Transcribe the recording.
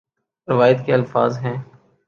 روایت کے الفاظ ہیں